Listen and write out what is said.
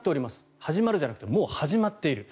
始まるじゃなくてもう始まっている。